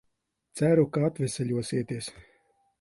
Ceru, ka atveseļosieties.